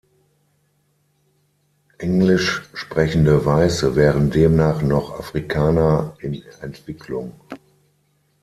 Englisch sprechende Weiße wären demnach noch „Afrikaner in Entwicklung“.